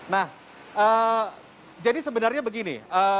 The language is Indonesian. nah jadi sebenarnya begini